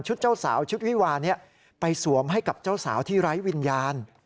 เจ้าสาวชุดวิวานี้ไปสวมให้กับเจ้าสาวที่ไร้วิญญาณ